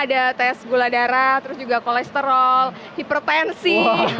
ada tes gula darah terus juga kolesterol hipertensi